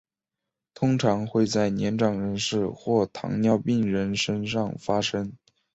通常会在年长人士或糖尿病人身上发生。